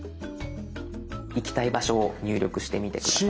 行きたい場所を入力してみて下さい。